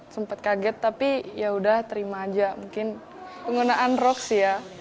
sempat kaget tapi yaudah terima aja mungkin penggunaan rox ya